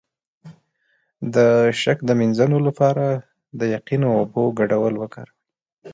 د شک د مینځلو لپاره د یقین او اوبو ګډول وکاروئ